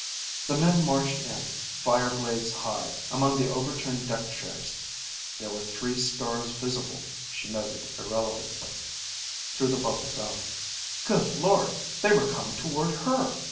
The men marched in, fire blades high, among the overturned deck chairs. There were three stars visible, she noted irrelevantly, through the bubble dome. Good lord! They were coming toward her!